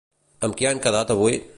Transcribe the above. Amb qui han quedat avui?